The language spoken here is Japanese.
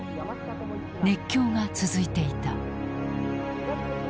熱狂が続いていた。